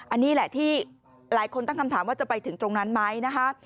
อันนี้แหละที่หลายคนตั้งคำถามว่าจะไปถึงตรงนั้นไหมนะคะ